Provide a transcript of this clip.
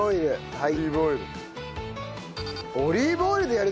はい。